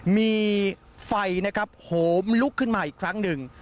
มีไฟนะครับโหมลุกขึ้นมาอีกครั้งหนึ่ง